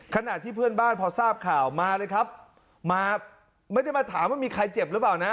ขณะที่เพื่อนบ้านพอทราบข่าวมาเลยครับมาไม่ได้มาถามว่ามีใครเจ็บหรือเปล่านะ